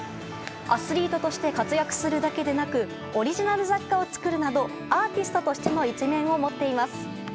アスリートとして活躍するだけでなくオリジナル雑貨を作るなどアーティストとしての一面を持っています。